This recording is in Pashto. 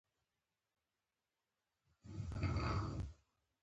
که دي خوښه نه وي، نه دي ښکلوم. هغه په خندا وویل.